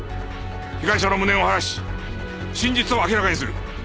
被害者の無念を晴らし真実を明らかにする。